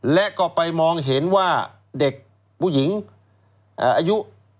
และก็ไปมองเห็นว่าเด็กผู้หญิงอายุ